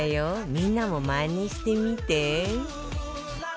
みんなもまねしてみて